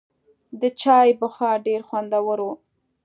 د چای بخار ډېر خوندور و.